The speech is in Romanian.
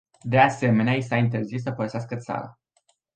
De asemenea, i s-a interzis să părăsească țara.